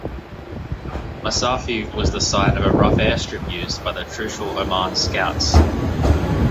Masafi was the site of a rough airstrip used by the Trucial Oman Scouts.